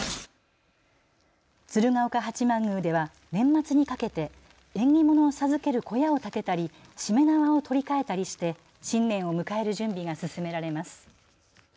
鶴岡八幡宮では年末にかけて縁起物を授ける小屋を建てたりしめ縄を取り替えたりして新年を迎える準備が進められます。